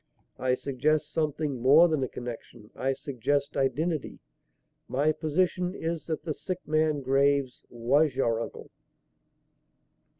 "I suggest something more than a connection. I suggest identity. My position is that the sick man, Graves, was your uncle."